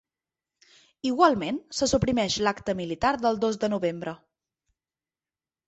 Igualment, se suprimeix l’acte militar del dos de novembre.